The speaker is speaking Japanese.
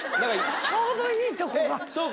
ちょうどいいとこが。